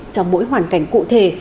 trong mỗi hoàn cảnh cụ thể